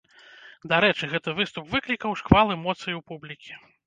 Дарэчы, гэты выступ выклікаў шквал эмоцый у публікі.